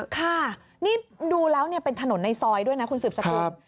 ค่ะนี่ดูแล้วเป็นถนนในซอยด้วยนะคุณสืบสกุล